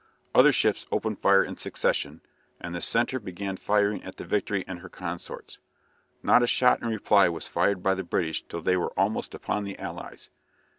Other ships opened fire in succession, and the centre began firing at the "Victory" and her consorts. Not a shot in reply was fired by the British till they were almost upon the allies.